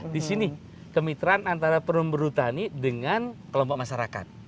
di sini kemitraan antara perum berhutani dengan kelompok masyarakat